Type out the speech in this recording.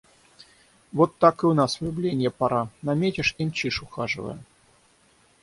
Вот так и у нас влюбленья пора: наметишь — и мчишь, ухаживая.